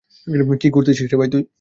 কি করতেছিস তুই?